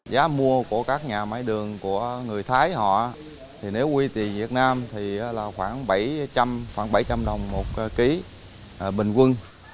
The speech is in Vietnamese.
giá mua của các nhà máy đường của người thái họ thì nếu quy tì việt nam thì là khoảng bảy trăm linh đồng một ký bình quân